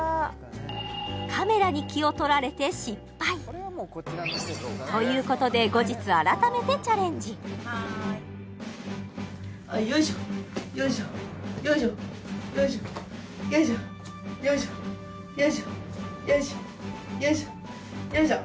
カメラに気を取られて失敗ということで後日よいしょよいしょよいしょよいしょよいしょよいしょよいしょよいしょよいしょよいしょ